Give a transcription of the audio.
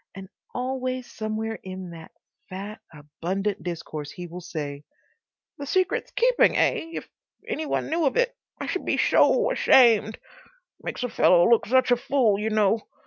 And always somewhere in that fat, abundant discourse he will say, "The secret's keeping, eh? If any one knew of it—I should be so ashamed.... Makes a fellow look such a fool, you know.